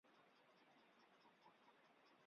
索布拉迪纽是巴西巴伊亚州的一个市镇。